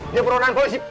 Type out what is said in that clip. dia peronan polisi